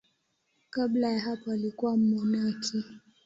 Kabla ya hapo alikuwa mmonaki.